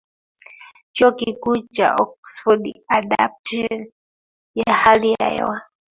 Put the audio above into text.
Chuo Kikuu cha Oxford Adaptation ya Hali ya Hewa